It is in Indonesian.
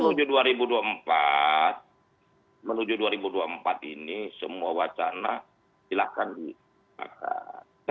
menuju dua ribu dua puluh empat menuju dua ribu dua puluh empat ini semua wacana silahkan dimakan